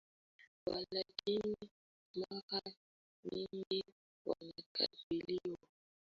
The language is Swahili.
Walakini mara nyingi wanakabiliwa na vitisho anuwai tofauti